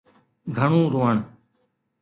گهڻو روئڻ.